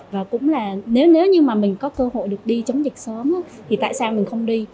và cũng là nếu như mà mình có cơ hội được đi chống dịch sớm thì tại sao mình không đi